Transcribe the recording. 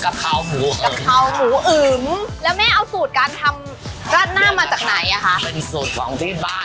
บะบีกองกะคราวหมูอึมอ่า